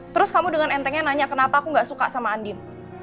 terus kamu dengan entengnya nanya kenapa aku gak suka sama andin